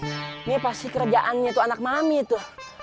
ini pasti kerjaannya tuh anak mami tuh